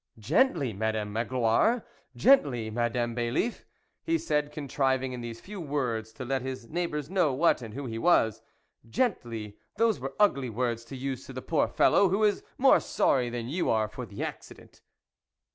" Gently, Madame Magloire ! gently, Madame Bailiff! " he said, contriving in these few words to let his neighbours know what and who he was ;" gently ! those were ugly words to use to the poor fellow, who is more sorry than you are for the accident."